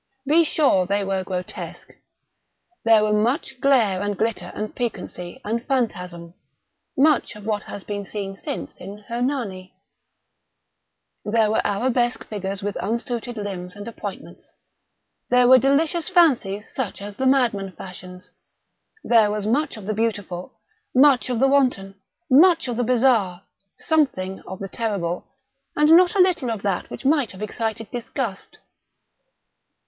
Be sure they were grotesque. There were much glare and glitter and piquancy and phantasm—much of what has been since seen in "Hernani." There were arabesque figures with unsuited limbs and appointments. There were delirious fancies such as the madman fashions. There was much of the beautiful, much of the wanton, much of the bizarre, something of the terrible, and not a little of that which might have excited disgust.